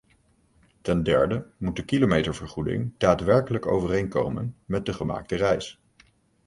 Ten derde moet de kilometervergoeding daadwerkelijk overeenkomen met de gemaakte reis.